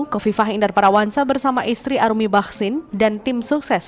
kofifa hindar parawansa bersama istri armi baksin dan tim sukses